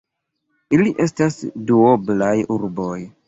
Ili estas duoblaj urboj.